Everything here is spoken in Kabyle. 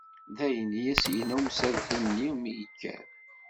Dayen, i as-yenna umeslatu-nni mi yekker.